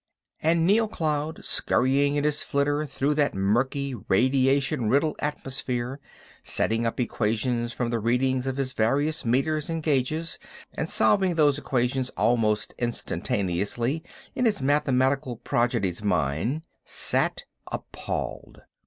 And Neal Cloud, scurrying in his flitter through that murky, radiation riddled atmosphere, setting up equations from the readings of his various meters and gauges and solving those equations almost instantaneously in his mathematical prodigy's mind, sat appalled.